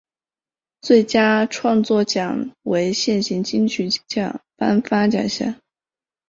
最佳创作奖为现行金曲奖颁发奖项。